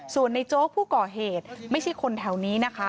ส่วนในโจ๊กผู้ก่อเหตุไม่ใช่คนแถวนี้นะคะ